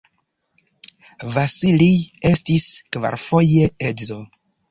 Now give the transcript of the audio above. Vasilij estis kvarfoje edzo.